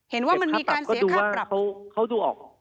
เห็นว่ามันมีการเสียค่าปรับ